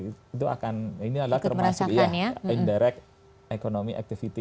itu akan ini adalah termasuk ya indirect economy activity